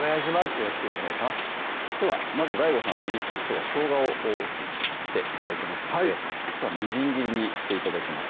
よろしくお願いしますではまずＤＡＩＧＯさんにきょうはしょうがを切って頂きますのでみじん切りにして頂きます